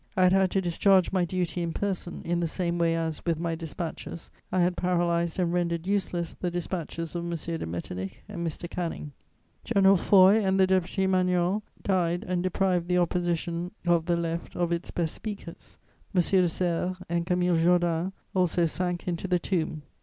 I had had to discharge my duty in person, in the same way as, with my dispatches, I had paralyzed and rendered useless the dispatches of M. de Metternich and Mr. Canning. General Foy and the deputy Manuel died and deprived the Opposition of the Left of its best speakers. M. de Serre and Camille Jordan also sank into the tomb.